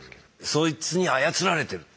そいつに操られてる？